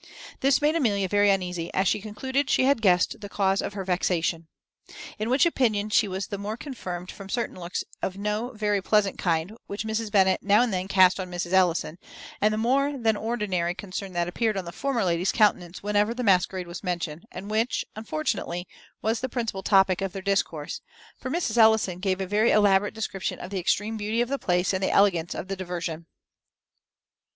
This made Amelia very uneasy, as she concluded she had guessed the cause of her vexation. In which opinion she was the more confirmed from certain looks of no very pleasant kind which Mrs. Bennet now and then cast on Mrs. Ellison, and the more than ordinary concern that appeared in the former lady's countenance whenever the masquerade was mentioned, and which; unfortunately, was the principal topic of their discourse; for Mrs. Ellison gave a very elaborate description of the extreme beauty of the place and elegance of the diversion.